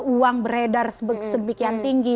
uang beredar sedemikian tinggi